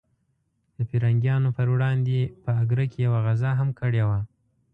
د پرنګیانو پر وړاندې په اګره کې یوه غزا هم کړې وه.